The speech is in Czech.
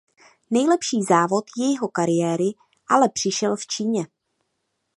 Nejlepší závod jeho kariéry ale přišel v Číně.